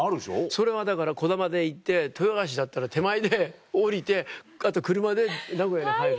それはだからこだまで行って豊橋だったら手前で降りてあと車で名古屋に入る。